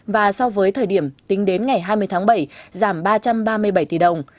và so với thời điểm tính đến ngày hai mươi tháng bảy giảm ba trăm ba mươi bảy tỷ đồng